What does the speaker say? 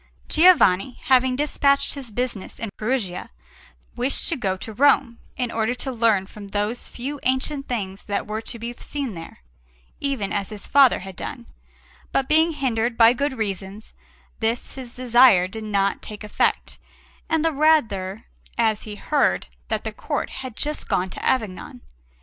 Giovanni, having dispatched his business in Perugia, wished to go to Rome, in order to learn from those few ancient things that were to be seen there, even as his father had done; but being hindered by good reasons, this his desire did not take effect, and the rather as he heard that the Court had just gone to Avignon.